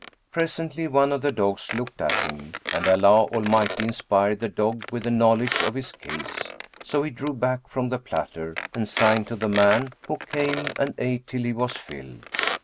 Presently, one of the dogs looked at him and Allah Almighty inspired the dog with a knowledge of his case; so he drew back from the platter and signed to the man, who came and ate till he was filled.